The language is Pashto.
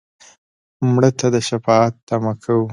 مړه ته د شفاعت تمه کوو